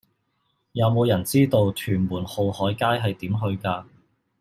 有無人知道屯門浩海街係點去㗎